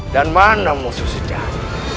dan mana musuh sejati